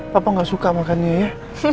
papa nggak suka makannya ya